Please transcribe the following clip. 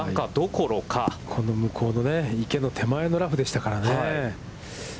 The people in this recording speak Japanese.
この向こうのね、池の手前のラフでしたからね。